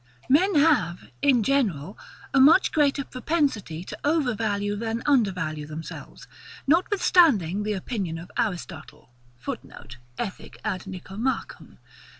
Men have, in general, a much greater propensity to overvalue than undervalue themselves; notwithstanding the opinion of Aristotle [Footnote: Ethic. ad Nicomachum.